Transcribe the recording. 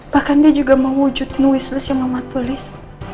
bahkan dia juga mau wujudin wishlist yang mama tulis